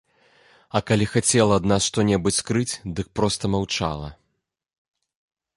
А калі хацела ад нас што-небудзь скрыць, дык проста маўчала.